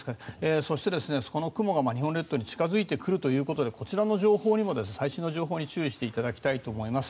そしてこの雲が日本列島に近付いてくるということでこちらも最新の情報に注意していただきたいと思います。